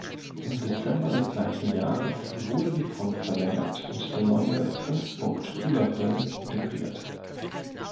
Im Dezember des gleichen Jahres wurde die Front verlängert und der neue Fünf-Punkt-Kühlergrill integriert.